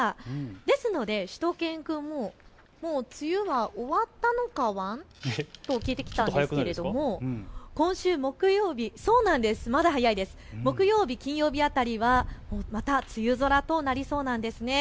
ですのでしゅと犬くんももう梅雨は終わったのかワン？と聞いてきたんですけれども、今週木曜日、金曜日辺りはまた梅雨空となりそうなんです。